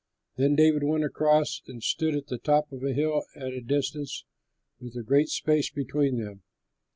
Then David went across and stood on the top of a hill at a distance with a great space between them.